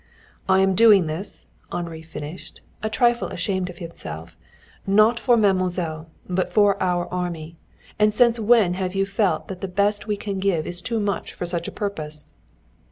"I am doing this," Henri finished, a trifle ashamed of himself, "not for mademoiselle, but for our army. And since when have you felt that the best we can give is too much for such a purpose?"